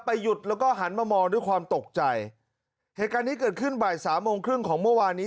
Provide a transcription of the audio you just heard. หยุดแล้วก็หันมามองด้วยความตกใจเหตุการณ์นี้เกิดขึ้นบ่ายสามโมงครึ่งของเมื่อวานนี้